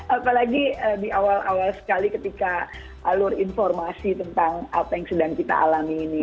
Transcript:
apalagi di awal awal sekali ketika alur informasi tentang apa yang sedang kita alami ini